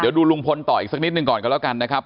เดี๋ยวดูลุงพลต่ออีกสักนิดหนึ่งก่อนกันแล้วกันนะครับ